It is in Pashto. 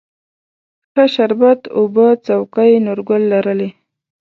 ښه شربت اوبه څوکۍ، نورګل لرلې